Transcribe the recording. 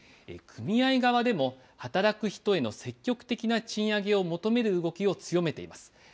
組合側でも、働く人への積極的な賃上げを求める動きを強めています。